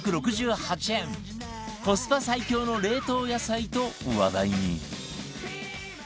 コスパ最強の冷凍野菜と話題に